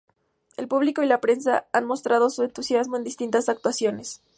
El público y la prensa han mostrado su entusiasmo en distintas actuaciones.